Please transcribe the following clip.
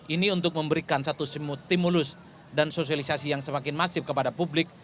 ini untuk memberikan satu stimulus dan sosialisasi yang semakin masif kepada publik